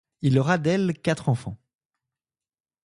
Il aura d'elle quatre enfants.